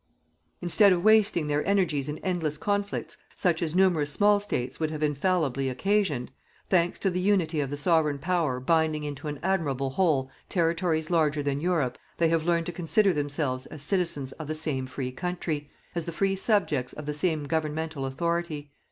Instead of wasting their energies in endless conflicts, such as numerous small States would have infallibly occasioned, thanks to the unity of the Sovereign Power binding into an admirable whole territories larger than Europe, they have learned to consider themselves as citizens of the same free country, as the free subjects of the same governmental authority.